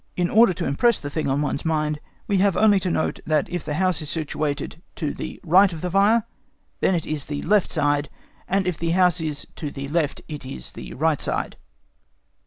In order to impress the thing on one's mind, we have only to note if the house is situated to the right of the fire, then it is the left side, and if the house is to the left it is the right side.